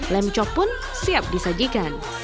lem cok pun siap disajikan